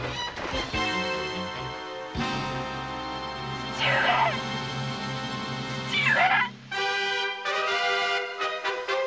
父上父上！